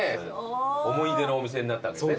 思い出のお店になったわけですね。